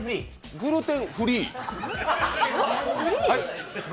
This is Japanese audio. グルテンフリー？